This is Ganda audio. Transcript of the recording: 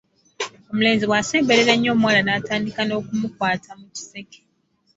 Omulenzi bw’asemberera ennyo omuwala n’atandika n’okumukwata mu kiseke.